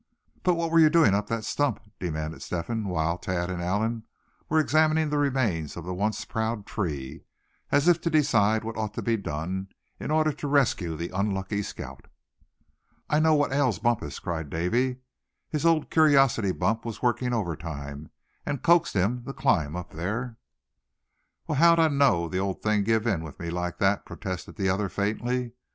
"But what were you doing up that stump?" demanded Step hen; while Thad and Allan were examining the remains of the once proud tree, as if to decide what ought to be done, in order to rescue the unlucky scout. "I know what ails Bumpus," cried Davy; "his old curiosity bump was working overtime, and coaxed him to climb up there." "Well, how'd I know the old thing'd give in with me like that?" protested the other, faintly.